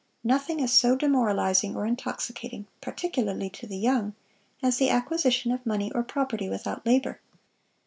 Nothing is so demoralizing or intoxicating, particularly to the young, as the acquisition of money or property without labor.